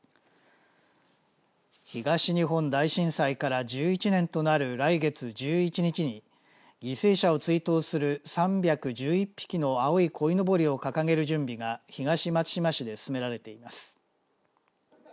東日本大震災から１１年となる来月１１日に犠牲者を追悼する３１１匹の青いこいのぼりを掲げる準備が東松島市で進められています。